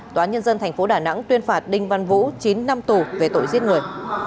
tòa nhân dân tp đà nẵng tuyên phạt đinh văn vũ chín năm tù về tội giết người